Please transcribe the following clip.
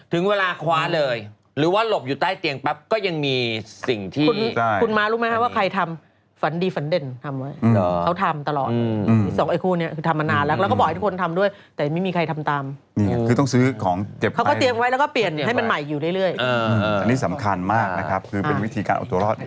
คุณป้าขวาเลยหรือว่าหลบอยู่ใต้เตียงปั๊บก็ยังมีสิ่งที่คุณมารู้ไหมครับว่าใครทำฝันดีฝันเด่นทำไว้เขาทำตลอดนี้๒คู่นี้ทำมานานแล้วเราก็บอกให้ทุกคนทำด้วยแต่ไม่มีใครทำตามคือต้องซื้อของเก็บไว้ไปแล้วก็เปลี่ยนให้ให้ใหม่อยู่เรื่อย